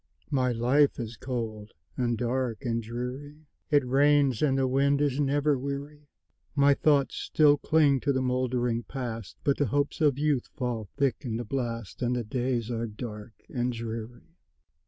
My life is cold, and dark, and dreary; It rains, and the wind is never weary; My thoughts still cling to the moldering Past, But the hopes of youth fall thick in the blast, And the days are dark and dreary.